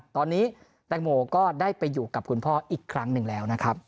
ตอนนี้แตงโมก็ได้ไปอยู่กับคุณพ่ออีกครั้งหนึ่งแล้วนะครับ